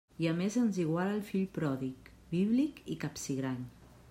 I a més ens iguala al fill pròdig, bíblic i capsigrany.